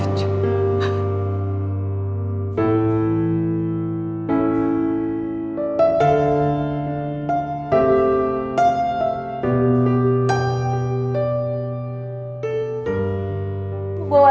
aku punya cucu